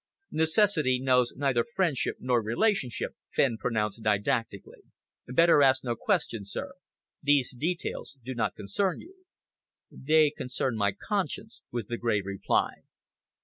"Necessity knows neither friendship nor relationship," Fenn pronounced didactically. "Better ask no questions, sir. These details do not concern you." "They concern my conscience," was the grave reply.